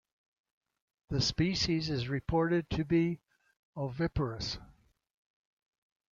This species is reported to be oviparous.